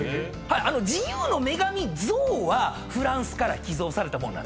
自由の女神像はフランスから寄贈されたものなんですね。